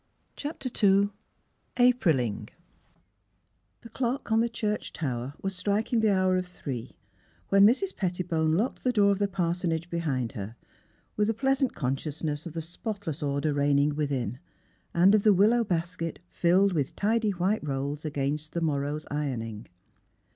CHAPTER n APRILING The clock on the cliurch tower was striking the hour of three when Mrs. Pettibone locked the door of the parsonage behind her, with a pleasant con sciousness of the spotless order reigning within, and of the willow basket, filled with tidy white rolls against the morrow's ironing.